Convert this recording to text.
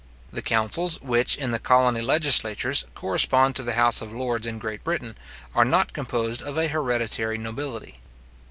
The councils, which, in the colony legislatures, correspond to the house of lords in Great Britain, are not composed of a hereditary nobility.